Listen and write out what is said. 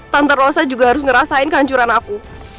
tante rosa juga harus ngerasain kehancuran aku